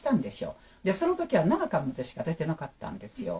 その時は７巻までしか出てなかったんですよ。